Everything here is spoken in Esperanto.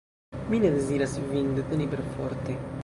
Mi ne deziras vin deteni perforte!